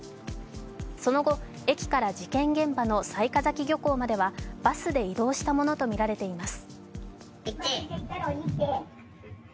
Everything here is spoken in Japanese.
そのあと、駅から事件現場の雑賀崎漁港まではバスで移動したとみられています。